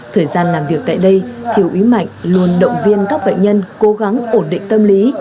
thời gian làm việc tại đây thiếu ý mạnh luôn động viên các bệnh nhân cố gắng ổn định tâm lý